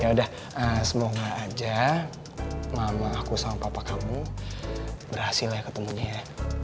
yaudah semoga aja mama aku sama papa kamu berhasil ya ketemunya ya